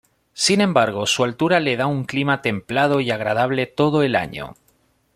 Sin embargo, su altura le da un clima templado y agradable todo el año.